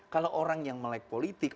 kalau orang yang melek politik